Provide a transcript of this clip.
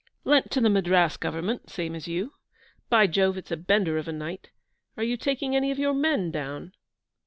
'Lent to the Madras Government, same as you. By Jove, it's a bender of a night! Are you taking any of your men down?'